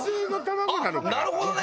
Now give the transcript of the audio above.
あっなるほどね！